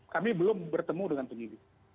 kami belum bertemu dengan penyidik